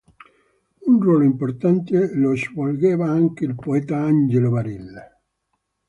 Un ruolo importante lo svolgeva anche il poeta Angelo Barile.